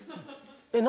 えっ何？